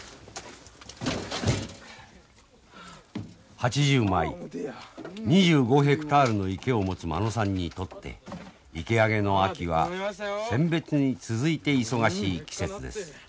８０枚２５ヘクタールの池を持つ間野さんにとって池上げの秋は選別に続いて忙しい季節です。